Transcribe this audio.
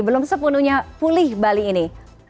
belum sepenuhnya pulih bali ini